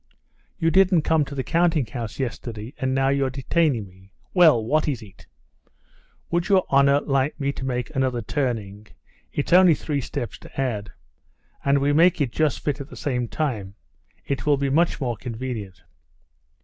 "You didn't come to the counting house yesterday, and now you're detaining me. Well, what is it?" "Would your honor let me make another turning? It's only three steps to add. And we make it just fit at the same time. It will be much more convenient."